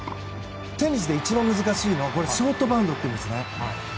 テニスで一番難しいのはショートバウンドなんですね。